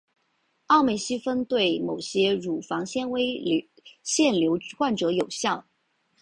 奥美昔芬对某些乳房纤维腺瘤患者有效。